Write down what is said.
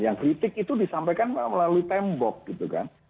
yang kritik itu disampaikan melalui tembok gitu kan